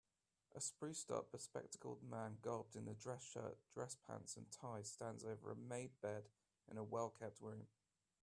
A spruced up bespectacled man garbed in a dress shirt dress pants and tie stands over a made bed in a wellkept room